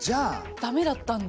駄目だったんだ。